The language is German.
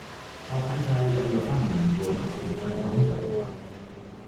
Auch ein Teil ihrer Gefangenen wurden auf dem Tanker untergebracht.